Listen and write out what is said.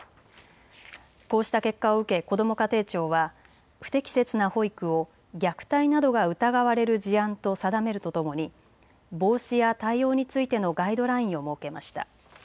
こうした結果を受けこども家庭庁は不適切な保育を虐待などが疑われる事案と定めるとともに防止や対応についてのガイドラインを設けました。